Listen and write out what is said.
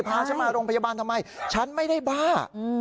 พาฉันมาโรงพยาบาลทำไมฉันไม่ได้บ้า